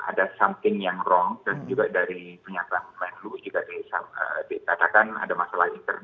ada something yang wrong dan juga dari penyakit yang perlu juga ditatakan ada masalah internal